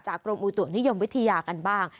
กรมอุตุนิยมวิทยากันบ้าง